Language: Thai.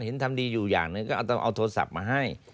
ทำดีอยู่อย่างหนึ่งก็ต้องเอาโทรศัพท์มาให้